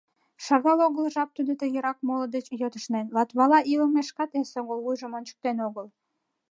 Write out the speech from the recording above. Шагал огыл жап тудо тыгерак моло деч йотышнен, Латвала илемышкат эсогыл вуйжым ончыктен огыл.